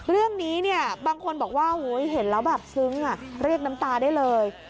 เรื่องนี้เนี่ยบางคนบอกว่าเห็นแล้วแบบซึ้งเรียกน้ำตาได้เลย